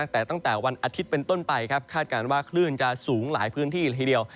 แต่ตั้งแต่วันอาทิตย์เป็นต้นไปคาดการณ์ว่าคลื่นจะสูงหลายพื้นที่ละทีเดียว